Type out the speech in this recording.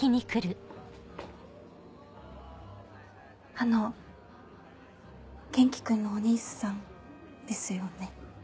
あの元気君のお義兄さんですよね？